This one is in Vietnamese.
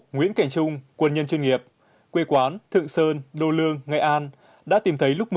bảy nguyễn cảnh trung quân nhân chuyên nghiệp quê quán thượng sơn đô lương nghệ an đã tìm thấy lúc